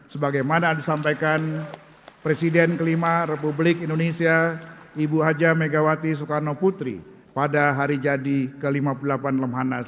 sebagaimana disampaikan presiden kelima republik indonesia ibu haja megawati soekarno putri pada hari jadi ke lima puluh delapan lemhanas